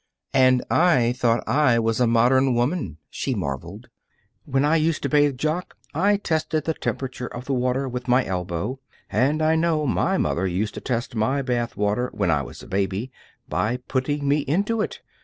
"And I thought I was a modern woman!" she marveled. "When I used to bathe Jock I tested the temperature of the water with my elbow; and I know my mother used to test my bath water when I was a baby by putting me into it.